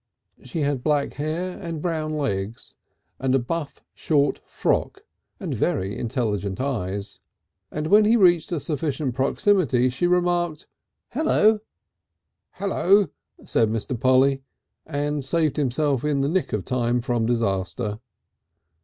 She had black hair and brown legs and a buff short frock and very intelligent eyes. And when he had reached a sufficient proximity she remarked: "Hello!" "Hello," said Mr. Polly, and saved himself in the nick of time from disaster.